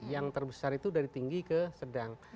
yang terbesar itu dari tinggi ke sedang